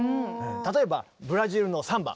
例えばブラジルのサンバ。